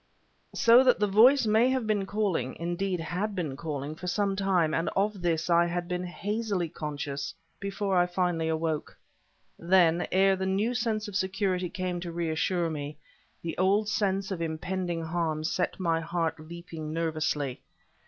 So that the voice may have been calling (indeed, had been calling) for some time, and of this I had been hazily conscious before finally I awoke. Then, ere the new sense of security came to reassure me, the old sense of impending harm set my heart leaping nervously.